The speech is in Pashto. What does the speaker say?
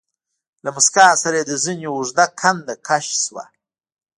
له موسکا سره يې د زنې اوږده کنده کش شوه.